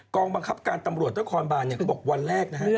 กองบังคับการตำรวจต้นคอนบานบอกวันแรกนะฮะ